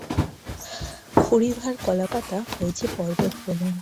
খুরি ভাঁড় কলাপাতা হয়েছে পর্বতপ্রমাণ।